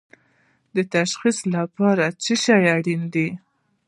د تشخیص لپاره څه شی اړین دي؟